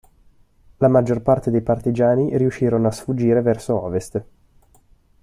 La maggior parte dei partigiani riuscirono a sfuggire verso ovest.